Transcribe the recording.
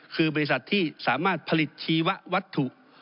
คือบริษัทที่สามารถผลิตชีวัตถุ